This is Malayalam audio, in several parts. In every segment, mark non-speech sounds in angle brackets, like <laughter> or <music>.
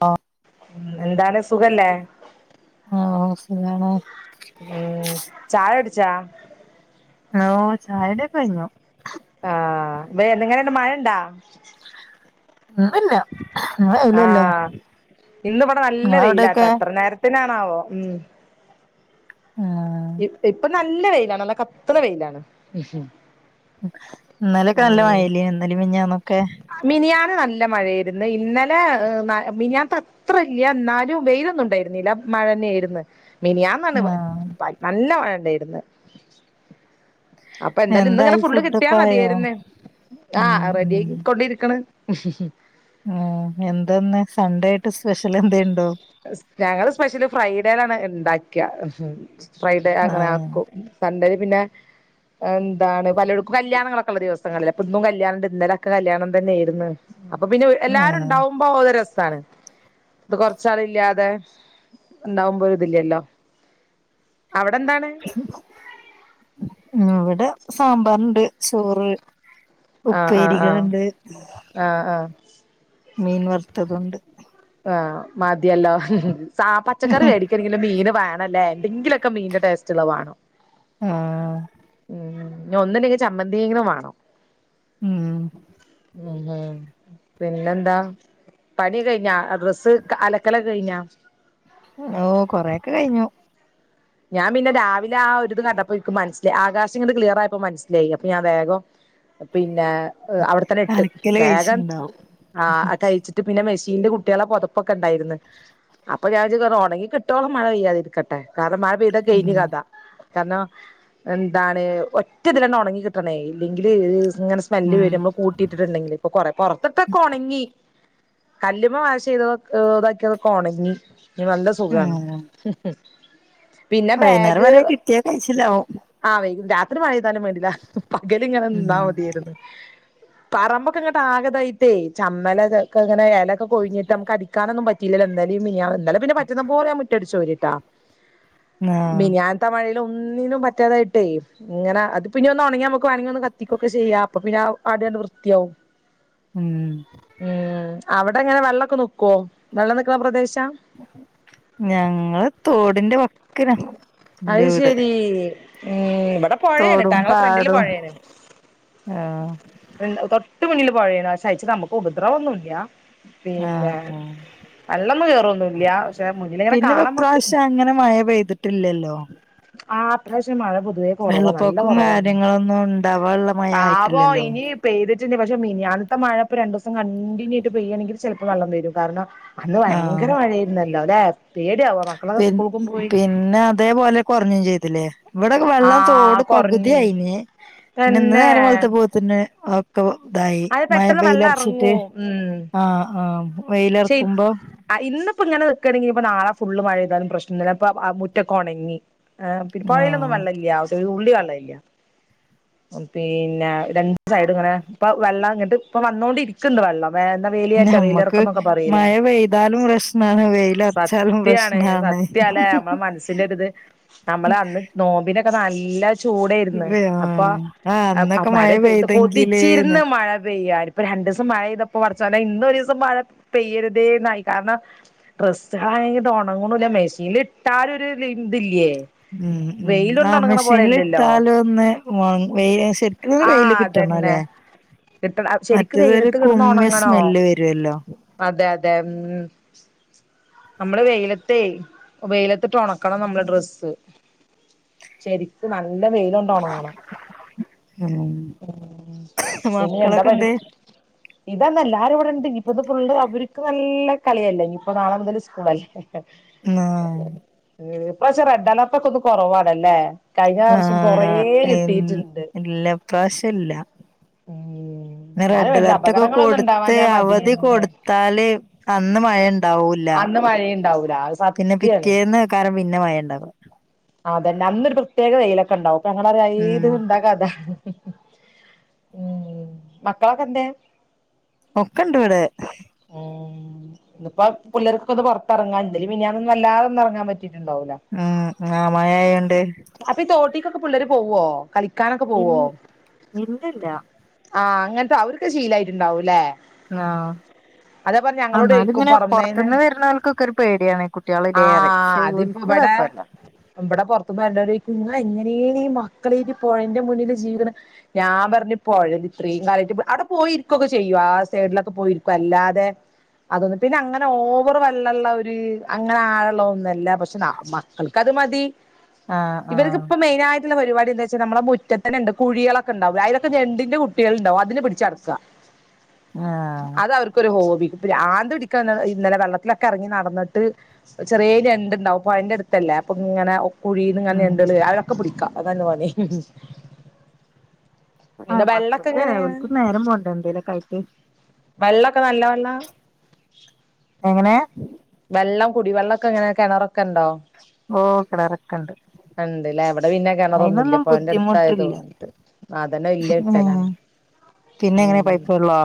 ആ എന്താണ് സുഖല്ലേ? ആഹ് സുഖാണ്. ഉം ചായുട്ച്ച. ഓ ചായുടി ഒക്കെ കഴിഞ്ഞു. ആഹ് ബേ ഇന്ന് എങ്ങനെണ്ട് മഴിണ്ടാ? അ അല്ല. ആഹ് ഇന്ന് ഇവിടെ നല്ല വെയിലാട്ട നിങ്ങളവിടെയൊക്കെ എത്ര നേരത്തിനാണാവോ ഉം. ആഹ്. ഇപ്പൊ നല്ല വെയിലാ നല്ല കത്ത്ണ വെയിലാണ്. ഇന്നലൊക്കെ നല്ല ഉം മഴല്ലേനോ ഇന്നലിം മിനിഞ്ഞാന്നൊക്കെ. മിനിയാന്ന് നല്ല മഴയിരുന്ന് ഇന്നലെ മിനിയാത്ത ത്ര ഇല്യാ എന്നാലും വെയിലൊന്നും ഉണ്ടായിരുന്നില്ല മഴന്നെയാരുന്നു. മിനിയാന്നാണ് ആഹ് നല്ല മഴണ്ടായിരുന്ന്. അപ്പൊന്താലും ഇന്നിങ്ങനെ എന്തായി ഫുള്ള് കിട്ടിയാ ഫുഡൊക്കെ ആയോ മതിയാരുന്ന് ഉം ആഹ് റെഡിയായി കൊണ്ടിരിക്കണ്. <unintelligible> ഉം എന്താന്ന് സൺണ്ടേയിട്ട് സ്പെഷ്യൽ എന്തേണ്ടോ? ഞങ്ങള് സ്പെഷ്യല് ഫ്രൈഡേയിലാണ് ഉണ്ടാക്കിയ ഫ്രൈഡേങ്ങനെ ആഹ് ആക്കും. സൺഡേ പിന്നെ എന്താണ് പലർക്കും കല്യാണങ്ങൾ ഒക്കെ ഉള്ള ദിവസ സങ്ങളിലെ ഇന്നും കല്യാണം ഇണ്ട് ഇന്നലൊക്കെ കല്യാണം തന്നെയാരുന്നു അപ്പൊ പിന്നെ എല്ലാരും ആഹ് ഇണ്ടാവും. മ്പോ അത് രസാണ് ഇത് കോറ ച്ചാളി ഇല്ലാതെ ഉണ്ടാവുമ്പ ഒരിതില്ലല്ലോ അവിടെ എന്താണ്? ഉം ഇവിടെ സാമ്പാറിണ്ട് ചോറ് ആഹ് ആഹ് ആഹ് ഉപ്പേരികളുണ്ട് ആഹ് ആഹ്. മീൻ വർത്തതുണ്ട്. ആഹ് മതിയല്ലോ സ പച്ചക്കറി വരും. ക്ക് ഒരു കിലോ മീൻ വേണല്ലേ എന്തങ്കിലൊക്കെ മീന്റെ ടേസ്റ്റുള്ള വാണം. ഹും. ഉം ഒന്നില്ലെങ്കിൽ ചമ്മന്തിയെങ്കിലും വാണം. ഉം. ഉം ഹും പിന്നെന്താ പണിയോക്കെ കഴിഞ്ഞാ? ആഹ് ഡ്രസ്സ് അലക്കലോക്കെ കഴിഞ്ഞാ? ഓ കൊറെക്കെ കഴ്ഞ്ഞു ഞാൻ പിന്നെ രാവിലെ ആ ഒരു ഇത് കണ്ടപ്പോക്ക് മനസ്സിലായി ആകാശം ക്ലിയർ ആയപ്പോ മനസ്സിലായിപ്പൊ ഞാൻ വേഗം പിന്നെ അവിടെത്തന്നെട്ട് അലക്കല് വേഗം കഴിച്ചിണ്ടാവും ആ തഴിച്ച് പിന്നെ മെഷീന്ൽ കുട്ടിയാളെ പൊതപ്പൊക്കെണ്ടായിരുന്നു അപ്പൊ ഞാ ജ്ജ് കൊറ ഉണങ്ങികിട്ടോളം മഴ പെയ്യാതിരിക്കട്ടെ കാരണം മഴ പെയ്ത കെഴിഞ്ഞ് ഉം കഥ കാരണം എന്താണ് ഒറ്റതിലണ് ഒണങ്ങി കിട്ടണേ ഇല്ലെങ്കില് ങ്ങനെ സ്കൂ സ്മെല്ല് ഉം വരുമ്മൾ കൂട്ടിട്ട്ണ്ടെങ്കിൽ പ്പൊ കൊറെ പൊറത്ത്തൊകൊണങ്ങി കല്ലുമ്മോ വാശയ്തതൊ കോ താക്കിയതക്കൊണങ്ങി ഞ്ഞി നല്ല സുഖാണ് ഉം വൈന്നാരം വരെ കിട്ടിയാ കഴിച്ചിലാവും ആഹ് വൈകുനേരം രാത്രി മഴയെയ്താലും വേണ്ടില പകല്ങ്ങനെന്നാ ഉം മതിയായ്ര്ന്ന് പറമ്പൊക്കെങ്ങട്ട് ആകതായിട്ടേ ചമ്മലൊക്കെക്കെങ്ങനെ എലൊക്കെ കൊഴിഞ്ഞിട്ട് അമ്മക്ക് അടിക്കാ ക്കാനൊന്നും പറ്റിയില്ലലൊ ഇന്നലീ മിയ്യാന്നും ഇന്നലെ പിന്നെ പറ്റുന്ന പോലെഞാന് മിറ്റട്ച്ചോരിട്ടോ ആഹ് മിഞ്ഞാന്നത്തെ മഴീല് ഒന്നിനും പറ്റാതായിട്ടേയ് ങ്ങനെ അത്പെന്നി ഒന്നൊണെങ്ങിയാ അമക്ക് വാണങ്ങി ഒന്ന് കത്തിക്കൊക്കെ ചെയ്യാ അപ്പ പിന്നെ ആഹ് അതണ്ട് വൃത്തിയാവും ഉം ഉം അവടെങ്ങെനെ വെള്ളൊക്കെ നിക്കോ വെള്ളം നിക്കണ പ്രദേശാ ഞങ്ങള് തോടിന്റെ വക്ക് വക്ക്നാ അഹ് ശരീ ഉം ഇവടെ പൊഴേണ് ട്ടാ തോടും അങ്ങളെ ഫ്രണ്ടില് പാടും പൊഴേണ് ആഹ് ഇണ്ട് തൊട്ട് മുന്നില് പൊഴേന് പക്ഷെ അയിച്ച് അമ്മുക്ക് ഉപദ്രവൊന്നുല്ല്യാ ആഹ് ആഹ് കേറൊന്നുല്ല പക്ഷെ മുന്നിലിങ്ങനെ പിന്നെ കാണാൻ പ്പ നമ്മക്ക് പ്രാശ്യ അങ്ങനെ മഴ പെയ്തിട്ടില്ലല്ലോ ആഹ് ഇപ്രാശ്യം മഴ പൊതുവേ കൊറവാ നല്ല വെള്ളപ്പൊക്കും കൊറവാണ് കാര്യങ്ങളൊന്നും ഉണ്ടാവാനുള്ള മഴ ആവോ ആയിട്ടില്ലല്ലോ ഇനി പെയ്തിട്ട്ണ്ട് പക്ഷെ മിനിഞ്ഞാന്നത്തെ മഴപ്പോ രണ്ടൂസം കണ്ടിന്യൂ ആയിട്ട് പെയ്യാണെങ്കിൽ ചെലപ്പോ വള്ളം കയരും കാരണം അന്ന് ഭയങ്കര മഴേയിരുന്നല്ലോലേ പേടിയാവ പിന്ന് പിന്നെ അതേപോലെ കൊർഞ്ഞും ചെയ്തിലേ ഇവിടെക്കെ ആ വെള്ളം തോട് കൊറഞ്ഞ് പകുതിയായിന് പിന്നെ ഇന്നലെ തന്നെ നേരം വെള്ത്തപോത്തിന് ഒക്കെ പോ ഇതായി അത് മഴ പെട്ടെന്ന് വെള്ളം വെയിലറ്ച്ച്ട്ട് എറങ്ങും ഉം ആഹ് ആഹ് വെയിലറ്ക്കുമ്പോ ആഹ് ഇന്ന്പ്പോങ്ങനെ നിക്കാണെങ്കി ഞ്ഞിപ്പ നാളെ ഫുള്ള് മഴയ്താലും പ്രശ്നല പ്പ ആഹ് മുറ്റൊക്കെ ഒണങ്ങി ആഹ് പിന്നെ പ്പോയെലൊന്നും ആഹ് വള്ളല്ല്യാ ഔസേ തുള്ളി വെള്ളല്യ പിന്നെ രണ്ട് സൈഡ്ങ്ങെനെ പ്പ വെള്ളം ഇഞ്ഞ്ട്ട്പ്പ വന്നോണ്ടിരിക്ക്ണ്ട് വെള്ളം വേ ന്ന വേലിയേറ്റ ഞമ്മക്ക് വേലിയ്റക്കോ ന്നൊക്കെ പറീലേ മഴ പെയ്താലും പ്രശ്നാണ് വെയിലറച്ചാലും സത്യാണ് പ്രശ്നാണ് സത്യാലേ അമ്മളെ മനസ്സിന്റോരിത് നമ്മള് അന്ന് നോമ്പിനൊക്കെ നല്ല ചൂടേരുന്ന് അപ്പൊ ആഹ് ആഹ് അ അന്നൊക്കെ മഴ പെയ്ത് പെയ്തെങ്കില്ന്ന് കൊതിച്ചിരുന്ന് മഴ പെയ്യാന് പ്പൊ രണ്ട്സം മഴയ്തപ്പോ പടച്ചോനേ ഇന്നൊരീസം മഴ പെയ്യരുതേന്നായി കാരണം ഡ്രസ്സാണെങ്കി ട്ടോണങ്ങുണുല്ല മെഷീനില്ട്ടാലൊരു വ് ഇതില്ലേ ഉം ഉം വെയിലൊണ്ട് ആഹ് ഉണങ്ങണ പോലെല്ലല്ലോ മെഷീനില്ട്ടാലൊന്ന് വ വെയിലങ് ശരിക്ക് ക്ക് ആ വെയില് അതന്നെ കിട്ടണല്ലെ കിട്ട ശരിക്ക് മറ്റേത് ഒരു വെയിലത്ത് കിടന്ന് കുമ്മിയെ ഉണങ്ങണോ സ്മെല്ല് വരുല്ലോ അതെ അതെ ഉം അമ്മള് വെയിലത്തേ വെയിലത്തിട്ട് ഒണക്കണം നമ്മള് ഡ്രസ്സ് ശരിക്ക് നല്ല വെയിലൊണ്ടണങ്ങണം ഉം ഉം ഇനി എന്താ മക്കളൊക്കെ പരുപാ എന്തെ ഇതന്നല്ലാരുംവടെണ്ട് ഇനിപ്പോ ത് ഫുള്ള് അവർക്ക് നല്ല കളിയല്ലേ ഇഞ്ഞിപ്പൊ നാളെ മുതൽ സ്കൂ കൂളല്ലേ ആഹ് ഉം ഇപ്പ്രവിശ്യം റെഡ് അലേർട്ടൊക്കെന്ന് കൊറവാണല്ലേ കഴിഞ്ഞ വർഷം ആഹ് കൊറേ ആഹ് ഇൽ കിട്ടിയിട്ടുണ്ട് ഇല്ല ഇപ്രാശ്യല്ല ഉം ന്ന് എന്നാലും വേണ്ടില്ല റെഡലേർടൊക്കെ അപകടങ്ങളൊന്നും കൊടുത്ത് ഉണ്ടാവാഞ്ഞാ അവധി മതിയായിരുന്നേ കൊട്ത് ത്താല് അന്ന് മഴണ്ടാവൂല്ല അന്ന് മഴയുണ്ടാവൂല അത് പിന്നെ സത്യാണ് പിറ്റേന്ന് കാരം പിന്നെ മഴണ്ടാകും അതന്നെ അന്നൊരു പ്രത്യേക വെയിലൊക്കെണ്ടാവും പ്പഞങ്ങളറാ അയ് ഉം ഇതെന്താ കഥാ ഉം മക്കളൊക്കെന്തേ ഒക്കെണ്ട് ഇവടെ ഉം ഇന്നിപ്പോ പിള്ളേർകൊന്ന് പുറത്തെറങ്ങാൻ ഇന്നലെമിനിഞ്ഞാന്നൊന്നും വല്ലാതൊന്നും ഇറങ്ങാൻ പറ്റിട്ടുണ്ടാവൂല ഉം ആമായായോണ്ട് അപ്പൊ ഈ തോട്ടിക്കൊക്കെ പിള്ളേര് പോവോ കളിക്കാനൊക്കെ ഇൽ പോവോ ഇല്ലല്ല ആഹ് അങ്ങനത്തെ അവർക്ക് ശീലായിട്ടുണ്ടാവുല്ലെ ന്നാ അന്നാല് ചോയ്ക്കും ഇങ്ങനെ പുറമേന്ന് പുറത്ത്ന്ന് വരുന്നോൽക്കൊക്കെ ഒരു പേടിയാണ് കുട്ടികളിലേറെ ആഹ് ശെ അതിപ്പോ ഓൽക്ക് ഇവിടെ കുയപ്പല്ല ഇവിടെ പുറത്തുന്ന് വരണ വര് ചോദിക്കും ങ്ങളെങ്ങനേണ് ഈ മക്കളെ പുഴന്റെ മുന്നില് ജീവിക്കണെ ഞാൻ പറഞ്ഞഞ് പുഴ ഇത്രയും കാലമായിട്ട് അവിടെ പോയിരിക്കുക്കെ ചെയ്യും ആ സൈഡിലൊക്കെ പോയിരിക്കും അല്ലാതെ അതൊന്ന പിന്നെ അങ്ങനെ ഓവർ വള്ളള്ള ഒരു അങ്ങനെ ആഴള്ള ഒന്നല്ല പക്ഷെ അവർക്കത് മതി ആഹ് ആഹ് ഇവർക്കിപ്പ മെയിനായിട്ട് പിന്നെള്ള പരിപാടിന്താെച്ചാ നമ്മുടെ മുറ്റത്തന്നെണ്ട് കുഴികളൊക്കെണ്ടകും അതിലൊക്കെ ഞെണ്ടിന്റെ കുട്ടികൾ ഉണ്ടാവും അതിന് പിടിച്ച നടക് ആ ആഹ് അത അവർക്ക് അതൊക്കൊരു ഹോബി പിരാന്ത് പിടിക്ക ഇന്നലെ വെള്ളത്തിലൊക്കെ ഇറങ്ങി നടന്നിട്ട് ചെറിയ ഞണ്ട്ണ്ടാവും പുഴൻ്റെടുത്തല്ലേ അപ്പൊ ഇങ്ങനെ കുഴീന്ന്ങ്ങനെ ഉം ഞണ്ടള് അതൊക്കെ പിടിക്കാ അതാണ് പണീ ആഹ് മക്കക്കും നേരം പോണ്ടേ എന്തേലൊക്കായിട്ട് വെള്ളക്കെ നല്ല വെള്ളാ എങ്ങനെ വെള്ളം കുടി വെള്ളൊക്കെ എങ്ങനെ കിണറൊക്കെ ഉണ്ടോ ഓ കിണറൊക്കെണ്ട് ഉണ്ട്ല്ല ഇവിടെ പിന്നെ കിണറൊന്നുല്ല അയിനൊന്നും പുഴന്റെ ബുദ്ധിമുട്ടില്ല അടുത്തായതോണ്ടിട്ട് അതന്നെ വല്ല്യ ഉം കിട്ടലാണ് പിന്നെ എങ്ങനെയ ഉം പൈപ്പ് വെള്ളോ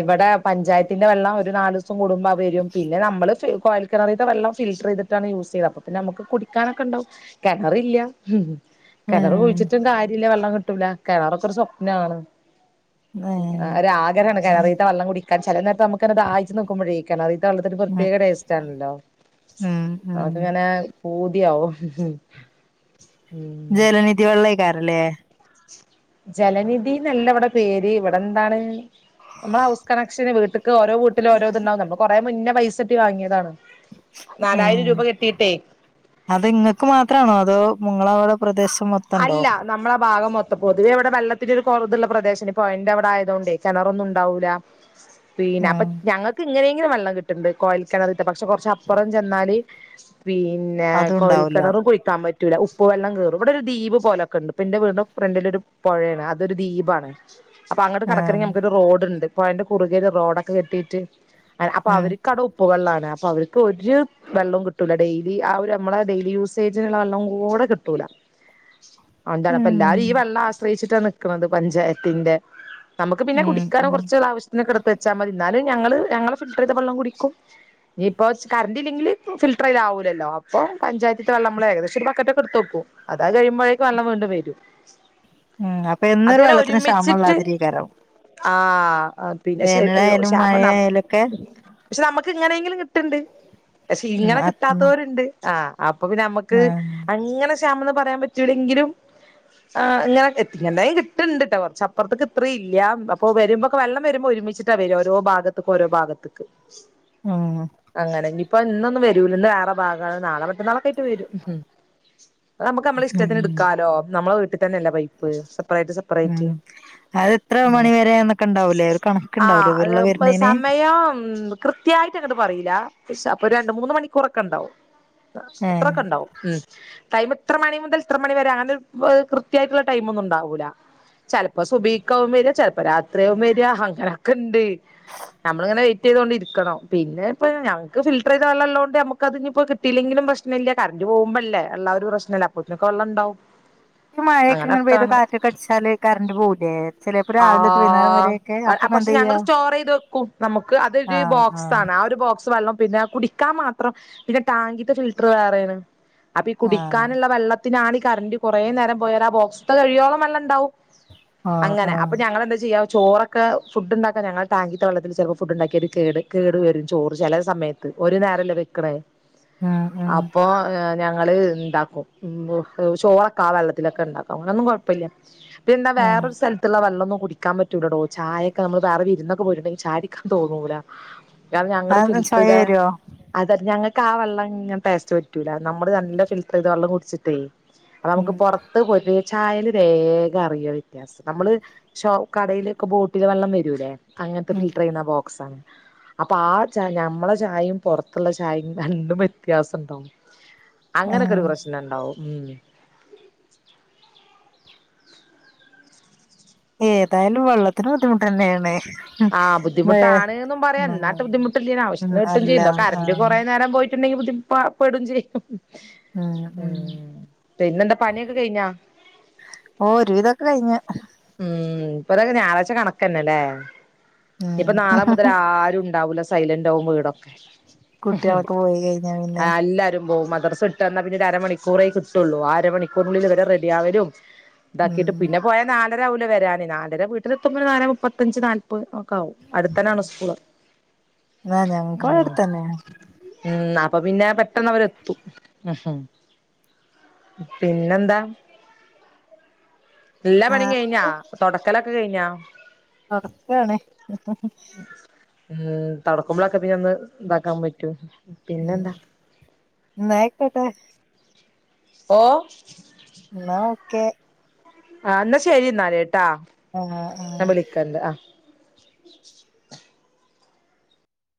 ഇവിടെ പഞ്ചായത്തിന്റെ വെള്ളം ഒരു നാല് പിന്ന നമ്മള് കോയൽകിണറീത്ത വെള്ളംഫിൽട്ര് ചെയ്തിട്ടാണ് യൂസ് ചെയ്ത് അപ്പ പിന്നെ നമുക്ക് കുടിക്കാനൊക്കെ ഉണ്ടാവും കിണറില്ല ഉം കിണർ ഉം കുഴിച്ചിട്ടും കാര്യല്ല വെള്ളം കിട്ടൂല കിണറൊക്കെ ഒരു സ്വപ്നാണ് ആ ഏഹ് ഒരാഗ്രഹാണ് ഉം കിണറീത്തെ വള്ളം കുടിക്കാ ചില നേരത്ത് നമുക്ക് ദായിച്ചു നിക്കുമ്പോഴേക്ക കിണറീത്ത വെള്ളം ഉം പ്രത്യേക ടേസ്റ്റ് ആണല്ലോ ഉം ഉം അതിങ്ങനെ പൂതിയാവും ഹ് ഹ് ജലനിധി വള്ളേക്കാരല്ലേ ജലനിധി ന്നല്ല ഇവിടെ പേര് ഇവിടെ എന്താണ് നമ്മള ഹൗസ് കണക്ഷന് വീട്ട്ക്ക് ഓരോ വീട്ടിലും ഓരോ ത്ണ്ടാവും നമ്മള് കുറെമുന്നേ പൈസട്ടി വാങ്ങിയതാണ് നാലായിരം രൂപ കെട്ടീട്ടേ അത്ങ്ങക്ക് മാത്രണോഅതോ നിങ്ങള അവിടെ പ്രദേശം മൊത്തംണ്ടോ നമ്മള ആ ഭാഗം മൊത്തം പൊതുവെ ഇവിടെ വെള്ളത്തിന്റെ ഒരു കുറ തുള്ള പ്രദേശമാണ് ഇപ്പോ പൊയൻ്റെവിടെ ആയതോണ്ട് കിണറൊന്നും ഉണ്ടാവൂല്ല പിന്നെ അപ്പൊ ഉം ഞങ്ങൾക്ക് ഇങ്ങനേം ങ്കിലും വെള്ളം കിട്ട്ണ്ട് കോയൽ കെണറീത്തെ പക്ഷെ കുറച്ചപ്പുറം ചെന്നാല് പിന്നെ പിന്നെ അതും ഉണ്ടാവൂല കോഴൽക്കിണറും കുഴിക്കാൻ പറ്റൂല്ല ഉപ്പു വെള്ളം കേറു ഇവിടെ ഒരു ദീപ് പോലൊക്കെണ്ട് എന്റെ വീടിന്റെ ഫ്രണ്ടിലൊരു പുഴയാണ് അതൊരു ദീപാണ് അപ്പൊ അങ്ങട്ട് കടക്കണെങ്കി ആഹ് നമുക്കൊരു റോഡ്ണ്ട് പ്പൊയൻ്റെ കുറുകേര് റോഡൊക്കെ കെട്ടിയിട്ട് അപ്പ ഉം അവര് കട ഉപ്പുവെള്ളാണ് അപ്പൊ അവർക്ക് ഒരു വെള്ളം കിട്ടൂല ഡെയിലി ആ ഒരു നമ്മള ഡെയിലി യൂസേജിനുള്ള വെള്ളം കൂടെ കിട്ടൂല അന്താണ് അപ്പൊ ഉം എല്ലാരും ഈ വെള്ളം ആശ്രയിച്ചിട്ടാണ് നിക്കണത് പഞ്ചായത്തിന്റെ നമുക്ക് പിന്നെ ഉം കുടിക്കാനും ഉം കുറച്ച ആവശ്യത്തിനൊക്കെ എടുത്ത് വച്ചാൽ മതി എന്നാലും ഞങ്ങള് ഞങ്ങള ഫിൽറ്ററീത വെള്ളം കുടിക്കും ഇനി ഇപ്പോ കറന്റില്ലങ്കില് ഫിൽറ്റർ അയിലാവൂല്ലല്ലോ അപൊ പഞ്ചായത്തിത്തെ വെള്ള നമ്മള് ഏദേശം ഒരു ബക്കറ്റൊക്കെ എടുത്ത്ക്കും അതത് കഴിയുമ്പോഴേക്കും വെള്ളം വീണ്ടും വരും ഉം അപ്പൊ എന്നൊരു വെള്ളത്തിന് ക്ഷാമള്ള മാതിരിയ്കാരം ആഹ് പിന്നെ <unintelligible> ക്ഷാമം <unintelligible> മഴയായാലൊക്കെ പക്ഷെ നമുക്ക് ഇങ്ങനെയെങ്കിലും കിട്ട്ണ്ട്. പക്ഷെ ഉം ഇങ്ങനെ അ ഉം കിട്ടാത്തോര്ണ്ട്. ആഹ് അപ്പൊ പിന്ന നമ്മക്ക് ആഹ് അങ്ങനെ ക്ഷാമന്ന് പറയാൻ പറ്റൂല്ലെങ്കിലും ആഹ് ഞാൻ എത്തികണ്ട്. ഇങ്ങനെത്തന്നേം കിട്ടിണ്ട്ട്ടോ കൊർച്ചപ്പൊർത്ത്ക്ക് ഇത്രില്ലാ, അപ്പൊ വരുമ്പ വള്ളം വരുമ്പോ ഒരുമിച്ചിട്ട് ഓരോ ഭാഗത്ത്ക്ക് ഓരോ ഭാഗത്ത്ക്ക്. ഉം അങ്ങനെ ഇനിയിപ്പ ഇന്നൊന്നും വരൂല്ല ഇന്ന് വേറെ ഭാഗാണ്. നാളെ മറ്റന്നാളൊക്കായിട്ട് വരും. നമുക്ക് നമ്മള ഉം ഇഷ്ടത്തിന്ട്ക്കാലോ. നമ്മള വീട്ടിതന്നെയല്ലേ പൈപ്പ്. സെപ്പറേറ്റ് ഉം സെപ്പറേറ്റ്. അത് എത്ര മണിവരെ എന്നൊക്കെ ഉണ്ടാവൂലേ ഒരു ആഹ് കണക്കുണ്ടാവൂലേ വെള്ളം ആ പ്പൊ വരുന്നേന് സമയം കൃത്യായ്റ്റങ്ങട്ട് പറീല. ശ് അപ്പൊ രണ്ട് മൂന്ന് മണിക്കൂറൊക്കെ ണ്ടാവും. ഏഹ് അത്രൊക്കെണ്ടാവും. ഉം. ടൈമ് ത്ര മണി മുതൽ ത്ര മണി വരെ അങ്ങനൊര് കൃത്യായിട്ടുള്ള ടൈമൊന്നുണ്ടാവൂല. ചെലപ്പോ സുബീക്കാവും വര് ചെലപ്പൊ രാത്രിആവും വര് അങ്ങനൊക്കെണ്ട്. നമ്മളിങ്ങനെവെയ്റ്റെയ്തോണ്ടിരിക്കണം. പിന്നെ ഇപ്പ ഞങ്ങക്ക് ഫിൽട്ടറെയ്ത വെള്ളള്ളതോണ്ട് ഞമ്മക്കതിഞ്ഞിപ്പൊ കി ട്ടിലെങ്കിലും പ്രശ്നല്ല. കര്ന്റ് പോകുമ്പല്ലേ ള്ളാരു പ്രശ്നല്ലേ, അപ്പോത്ത്നൊക്കെ ള്ളണ്ടാവും. മഴൊക്കെങ്ങനെ പെയ്ത് കാറ്റൊക്കെ അടിച്ചാല് കര്ന്റ് പോകൂലേ. ചെലെപ്പൊ ആ രാവിലൊട്ട് വൈന്നാരം വരെ. പക്ഷെ ഞങ്ങള് സ്റ്റോറെയത് വെക്കും. നമുക്ക് അതൊരു ആഹ് ആഹ് ബോക്സാണ്. ആ ഒരു ബോക്സ് വള്ളും പിന്നെ ആ കുടി ക്കാ മാത്രം. പിന്നെ ടാങ്കിത്തെ ഫിൽറ്റർ വേറേണ്. അപ്പൊ ഈ ആഹ് കുടിക്കാനുള്ള വെള്ളത്തിനാണ് ഈ കറണ്ട്റ് കുറേ നേരം പോയരാ ആ ബോക്സത്തെ കഴിയോളം വെള്ളണ്ടാവും ആഹ് അങ്ങനെ ആഹ് അപ്പൊ ഞങ്ങളെന്താ ചെയ്യാ ചോറൊക്കെ, ഫുഡ്ണ്ടാക്കാൻ ഞങ്ങളെ ടാങ്കിത്തെ വള്ളത്തില് ചിലപ്പോ ഫുഡ് ഉണ്ടാക്കിയാ ഒരു കേട് കേട് വരും. ചോറ് ചെല സമയത്ത് ഒരു നേരല്ലേ വെക്കണേ ഉം ഉം അപ്പൊ ഏ ഞങ്ങള് ണ്ടാക്കും ഉം ചോറൊക്കെ ആ വെള്ളത്തിലൊക്കെ ഇണ്ടാക്കും. അങ്ങനൊന്നും കൊഴ്‌പ്പല്ല. പിന്നെ വേറൊരു സ്ഥല ത്തുള്ള വെള്ളൊന്നും കുടിക്കാൻ പറ്റൂലെടോ കചായയക്കെ നമ്മ വേറെ വിരുന്നൊക്കെ പോയിട്ടുണ്ടെങ്കിൽ ചായ ടിൻ തോന്നൂല രാണം ഞങ്ങള് ആഹ് അത് ഫിൽറ്റർ ചൊയ താ വരോ അത ഞങ്ങൾക്ക് ആ വെള്ളങ്ങനെ ടേസ്റ്റ് പറ്റൂല. നമ്മള് നല്ല ഫിൽട്ടറൈത വെള്ളം കുടിച്ചിട്ടേ. പ്പൊ നമുക്ക് ഉം പൊറത്ത് പോയിട്ട് ചായല് വേഗം അറിയ. നമ്മള് ശോ കടയിലൊക്കെ ബോട്ടില് വെള്ളം വരൂല്ലേ? അങ്ങനത്തെ ഉം ഫിൽട്ടറെയ്യ്ണ ബോക്സാണ്. അപ്പൊ ആ ച ഞമ്മളെ ചായിം പൊർത്ത്ള്ള ചായിം രണ്ടും വ്യത്യാസം ണ്ടാവും. ഉം അങ്ങനൊക്കൊര് പ്രശ്നണ്ടാവും. ഏതായാലും വെള്ളത്തിന് ബുദ്ധിമുട്ടെന്നേണ്. ആഹ് വേ ബുദ്ധിമുട്ടാണ്ന്നും പറിയ ആഹ് ന്നാട്ടെ ബുദ്ധിമുട്ടില്ല്യേനും ഉം ആവശ്യത്തിന് കിട്ടും അല്ല ചെയ്യും. ന്നാ കറണ്ട് ആഹ് കുറെേ നേരം പോയി ട്ടുണ്ടെങ്കി ബുദ്ധി പ്പ പെടും ചെയ്യും. ഉം പിന്നെന്താ പണിയൊക്കെ കയ്ഞ്ഞോ? ഓ ഒരുവിതൊക്കെ കയ്ഞ്ഞ്. ഉം പ്പതൊക്കെ ഞാറാഴ്‌ച കണക്കെന്നെലേ. ഉം നിപ്പൊ നാളെ മുതൽ ആരുണ്ടാവൂല സ് സൈലന്റാവും വീടൊക്കെ. കുട്ട്യാളൊക്കെ പോയി കഴിഞ്ഞാ പിന്നെ എല്ലാരും പോവും മദ്ർസ് വിട്ട്ന്ന പിന്നെ ഒരു അരമണിക്കൂറേ കിട്ടുള്ളൂ. ആ അരമണിക്കൂറിനുള്ളിൽ ഇവരെ റെഡിയാവലും താക്കിയിട്ട് ഉം പിന്നെ. പോയാ നാലരാവൂലെ വരാന്. നാലര വീട്ടിലെത്തുമ്പോന് നാലേ മുപ്പത്തഞ്ച് നാല് ഒക്ക ആവും. അടുത്തനാണ് സ്കൂള്. ആഹ് ഞങ്ങക്ക് ഇവടെ ഉം അടുത്തന്നെ ഉം അപ്പൊ പിന്നെ പെട്ടെന്ന് അവരെത്തും. പിന്നെന്താ? എല്ലാ പണിം കയിഞ്ഞോ? ആഹ് തൊട്ക്കലൊക്കെ കയിഞ്ഞോ? തൊട്ക്കാണ്. ഉം തൊട്ക്കുമ്പളൊക്കെ പിന്നൊന്ന് താക്കാൻ പറ്റും. ഉം പിന്നെന്താ ന്നയ്ക്കോട്ടെ. ഓഹ്. ന്നാ ഓക്കെ. ആഹ്, ന്നാ ശരി എന്നാല്ട്ടാ. ആഹ്, ആഹ്. ക്കണ്ട ആഹ്.